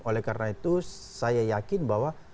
oleh karena itu saya yakin bahwa